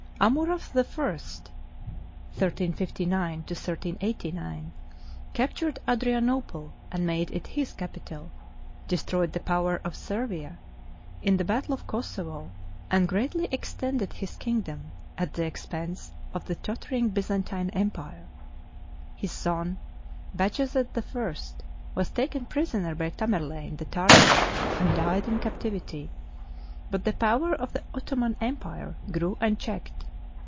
Amurath I (1359 1389) captured Adri anople and made it his capital, destroyed the power of Ser via in the battle of Kossovo, and greatly extended his king dom at the expense of the tottering Byzantine Empire. His son, Bajazet I, was taken prisoner by Tamerlane the Tartar and died in captivity, but the power of the Ottoman Empire grew unchecked.